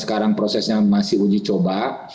sekarang prosesnya masih uji coba